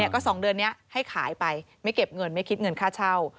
ก็๒เดือนนี้ให้ขายไปไม่เก็บเงินไม่คิดเงินค่าเช่า